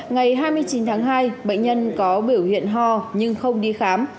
ngày hai mươi chín tháng hai bệnh nhân có biểu hiện ho nhưng không đi khám